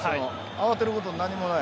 慌てることは何もない。